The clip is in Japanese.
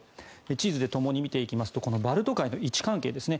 地図でともに見ていきますとこのバルト海の位置関係ですね。